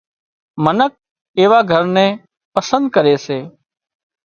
منک ايوا گھر نين پسند ڪري سي